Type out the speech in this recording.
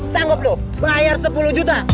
sanggup lu bayar sepuluh juta